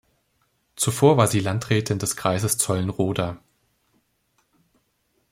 Zuvor war sie Landrätin des Kreises Zeulenroda.